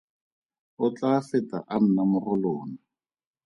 O tla feta a nna mo go lona.